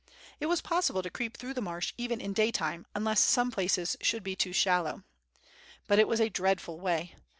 It was possible to creep through this marsh even in daytime, unless some places should be too shallow. lUit it was a dreadful way.